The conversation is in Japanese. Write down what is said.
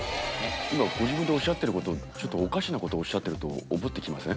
今ご自分でおっしゃってることちょっとおかしなことをおっしゃってると思ってきません？